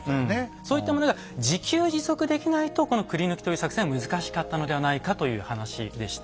そういったものが自給自足できないとこの繰ヌキという作戦は難しかったのではないかという話でした。